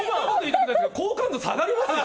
好感度下がりますよ！